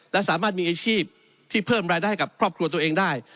และสามารถมีอาชีพที่เพิ่มรายได้ให้กับครอบครัวตัวเองได้